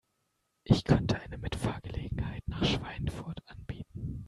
Ich könnte eine Mitfahrgelegenheit nach Schweinfurt anbieten